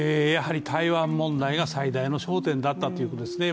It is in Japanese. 台湾問題が最大の焦点だったということですね